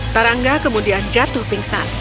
tarangga kemudian jatuh pingsan